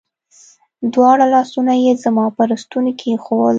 دواړه لاسونه يې زما پر ستوني کښېښوول.